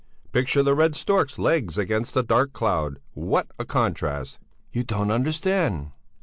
Picture the red storks' legs against the dark cloud! What a contrast!" "You don't understand!"